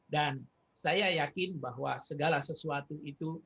saya yakin bahwa segala sesuatu itu